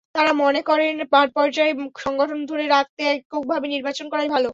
তাঁরা মনে করেন, মাঠপর্যায়ে সংগঠন ধরে রাখতে এককভাবে নির্বাচন করাই ভালো।